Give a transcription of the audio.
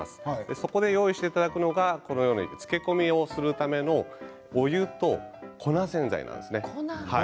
そこで用意していただくのがつけ込みをするためのお湯と粉洗剤なんです。